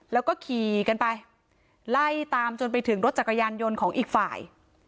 แล้วก็ขี่กันไปไล่ตามจนไปถึงรถจักรยานยนต์ของอีกฝ่าย